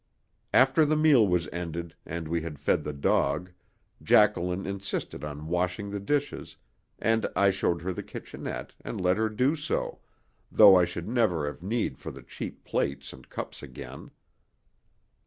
After the meal was ended, and we had fed the dog, Jacqueline insisted on washing the dishes, and I showed her the kitchenette and let her do so, though I should never have need for the cheap plates and cups again.